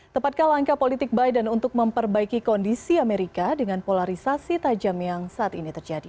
tepatkah langkah politik biden untuk memperbaiki kondisi amerika dengan polarisasi tajam yang saat ini terjadi